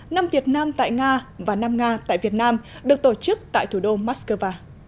năm việt nam tại nga và năm nga tại việt nam được tổ chức tại thủ đô moscow